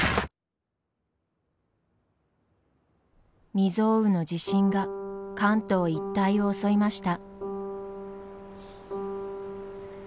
未曽有の地震が関東一帯を襲いました。